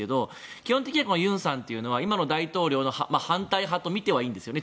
基本的にユンさんは今の大統領の反対派とみていいんですよね。